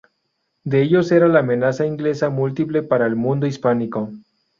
De ellos era la amenaza inglesa múltiple para el mundo hispánico.